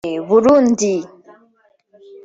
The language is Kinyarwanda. Burundi